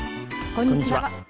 こんにちは。